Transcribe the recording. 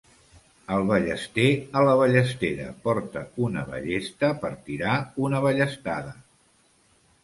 El ballester a la ballestera porta una ballesta per tirar una ballestada.